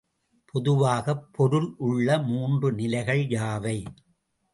பொதுவாகப் பொருள் உள்ள மூன்று நிலைகள் யாவை?